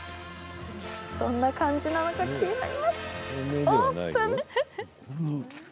どんな感じなのか気になります。